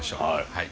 はい。